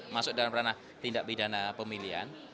masuk dalam ranah tindak pidana pemilihan